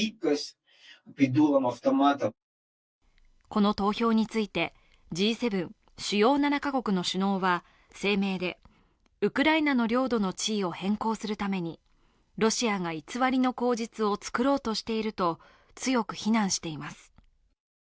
この投票についてＧ７＝主要７か国の首脳は声明で、ウクライナの領土の地位を変更するためにロシアが偽りの口実を作ろうとしていると強く非難しています。